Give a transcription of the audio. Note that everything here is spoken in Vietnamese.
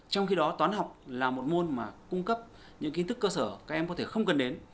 trong khi đó toán học là một môn mà cung cấp những kiến thức cơ sở các em có thể không cần đến